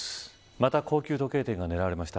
また高級時計店が狙われました。